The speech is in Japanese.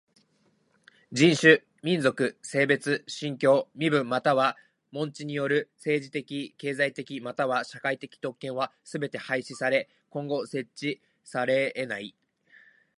人種、民族、性別、信教、身分または門地による政治的経済的または社会的特権はすべて廃止され今後設置されえない。